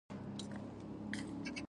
آیا کاناډا د بریښنا شرکتونه نلري؟